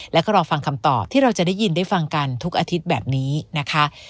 แล้วก็รอฟังคำตอบที่เราจะได้ยินได้ฟังกันทุกอาทิตย์แบบนี้นะคะ